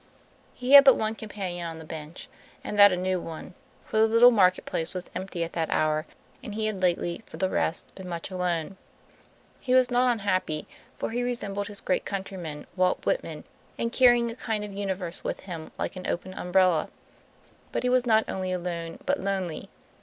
He had but one companion on the bench, and that a new one, for the little market place was empty at that hour, and he had lately, for the rest, been much alone. He was not unhappy, for he resembled his great countryman, Walt Whitman, in carrying a kind of universe with him like an open umbrella; but he was not only alone, but lonely.